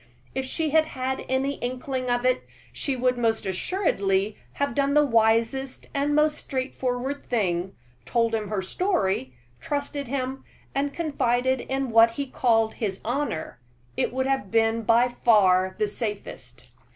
If she had had any inkling of it, she would most assuredly have done the wisest and most straightforward thing told him her story, trusted him, and confided in what he called his honor it would have been by far the safest.